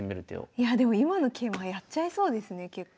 いやあでも今の桂馬はやっちゃいそうですね結構。